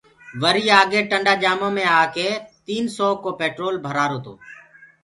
وريٚ آگي ٽنٚڊآ جآمونٚ مي آڪي تيٚن سو ڪو پينٽول ڀرآرو تو